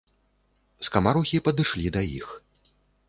Скамарохі падышлі да іх.